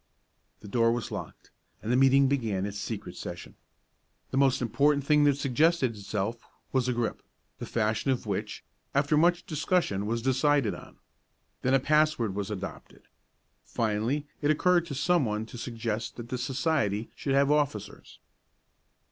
The door was locked, and the meeting began its secret session. The most important thing that suggested itself was a grip, the fashion of which, after much discussion, was decided on. Then a password was adopted. Finally, it occurred to some one to suggest that the society should have officers.